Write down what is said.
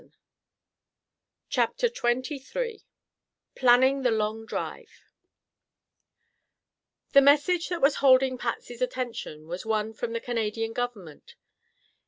Wait!" CHAPTER XXIII PLANNING THE LONG DRIVE The message that was holding Patsy's attention was one from the Canadian Government.